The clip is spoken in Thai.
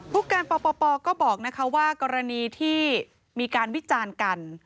ผู้การปปก็บอกว่ากรณีที่มีการวิจารณ์กัน